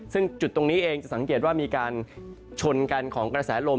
ซึ่งจุดตรงนี้เองจะสังเกตว่ามีการชนกันของกระแสลม